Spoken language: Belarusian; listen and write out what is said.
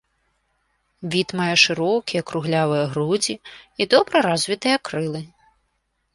Від мае шырокія круглявыя грудзі і добра развітыя крылы.